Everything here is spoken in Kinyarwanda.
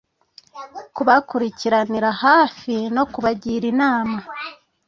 Kubakurikiranira hafi no kubagira inama